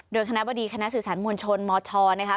โดยคณะบดีคณะสื่อสารมวลชนมชนะคะ